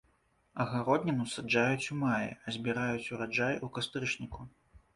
Агародніну саджаюць у маі, а збіраюць ураджай у кастрычніку.